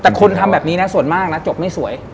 แต่คนทำแบบนี้นะส่วนมากนะจบไม่สวย